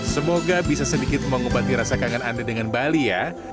semoga bisa sedikit mengobati rasa kangen anda dengan bali ya